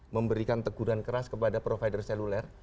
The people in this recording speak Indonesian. memberikan teguran keras kepada provider seluler